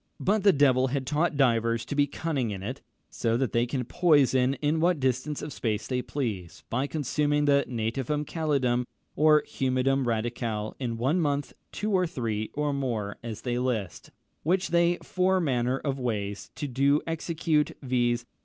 But the devil had taught divers to be cunning in it, so that they can poison in what distance of space they please, by consuming the nativum calidum, or humidum radicale, in one month, two or three, or more, as they list, which they four manner of ways do execute, viz.